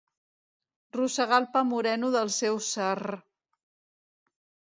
rosegar el pa moreno del seu sarr